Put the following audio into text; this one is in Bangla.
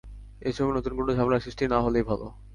এ সময় নতুন কোনো ঝামেলা সৃষ্টি না-হলেই ভালো।